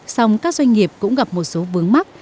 song các doanh nghiệp cũng gặp một số vướng mắt